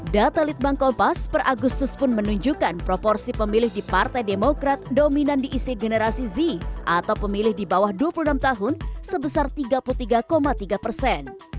data litbang kompas per agustus pun menunjukkan proporsi pemilih di partai demokrat dominan diisi generasi z atau pemilih di bawah dua puluh enam tahun sebesar tiga puluh tiga tiga persen